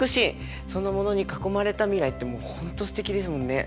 そのモノに囲まれた未来ってもう本当すてきですもんね！